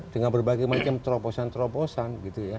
dengan berbagai macam terobosan terobosan